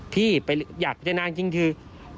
พี่ไปอยากได้นานจริงคือ